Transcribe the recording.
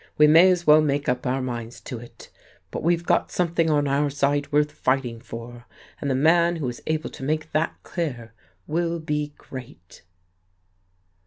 We may as well make up our minds to it. But we've got something on our side worth fighting for, and the man who is able to make that clear will be great."